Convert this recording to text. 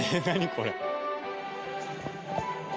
これ。